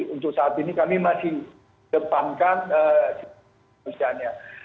untuk saat ini kami masih depankan situasinya